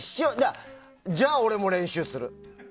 じゃあ、俺も練習する。